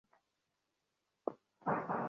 ও কখনই কেস হারেনি?